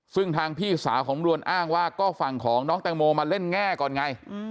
ซึ่งทางพี่สาวของลวนอ้างว่าก็ฝั่งของน้องแตงโมมาเล่นแง่ก่อนไง